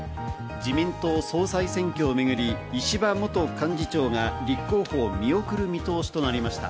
自民党総裁選挙をめぐり石破元幹事長が立候補を見送る見通しとなりました。